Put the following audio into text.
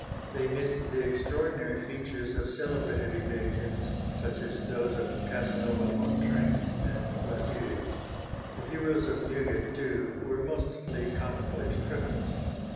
They miss the extraordinary features of celebrated evasions, such as those of Casanova Von Trenck and Latude. The heroes of Newgate, too, were mostly commonplace criminals.